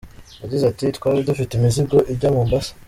Yagize ati “Twari dufite imizigo ijya Mombasa.